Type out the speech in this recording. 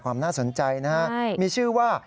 ความน่าสนใจนะฮะมีชื่อว่า